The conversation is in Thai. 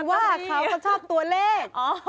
ว่าเขาก็ชอบตัวเลข